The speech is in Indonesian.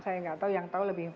saya nggak tahu yang tahu lebih